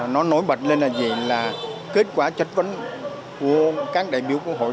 nó nổi bật lên là gì là kết quả chất vấn của các đại biểu quốc hội